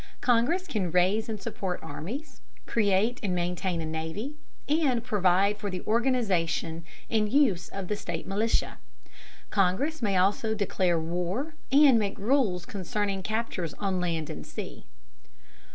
Congress can raise and support armies, create and maintain a navy, and provide for the organization and use of the state militia. Congress may also declare war, and make rules concerning captures on land and sea.